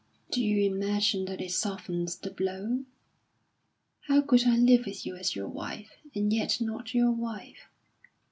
"Do you imagine that it softens the blow? How could I live with you as your wife, and yet not your wife?